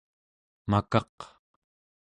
makaq